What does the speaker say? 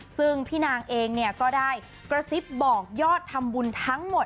ซึ่งพี่นางเองก็ได้กระซิบบอกยอดทำบุญทั้งหมด